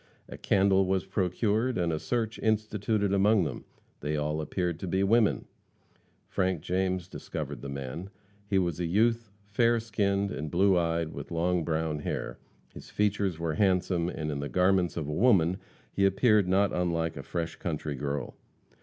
A candle was procured and a search instituted among them. They all appeared to be women. Frank James discovered the man. He was a youth, fair skinned and blue eyed, with long brown hair. His features were handsome, and in the garments of a woman he appeared not unlike a fresh country girl.